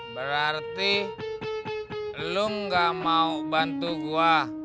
berarti lo gak mau bantu gua